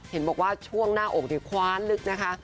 เห็นบอกว่าช่วงหน้าอกนี่คว้านลึกนะคะ